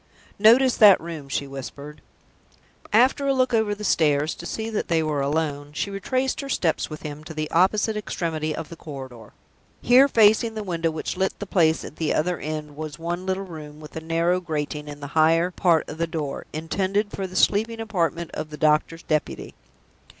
"Notice that room," she whispered. After a look over the stairs to see that they were alone, she retraced her steps with him to the opposite extremity of the corridor. Here, facing the window which lit the place at the other end, was one little room, with a narrow grating in the higher part of the door, intended for the sleeping apartment of the doctor's deputy.